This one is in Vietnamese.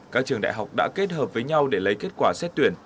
các trường đại học đã kết hợp với nhau để lấy kết quả xét tuyển